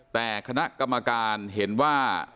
แต่คณะกรรมการเห็นว่า